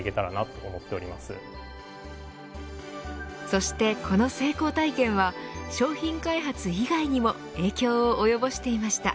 そして、この成功体験は商品開発以外にも影響を及ぼしていました。